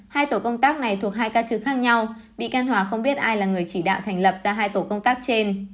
hai tổ công tác này thuộc hai ca trực khác nhau bị can hòa không biết ai là người chỉ đạo thành lập ra hai tổ công tác trên